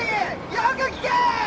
よく聞け！